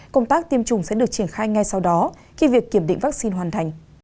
công tác tiêm chủng sẽ được triển khai ngay sau đó khi việc kiểm định vaccine hoàn thành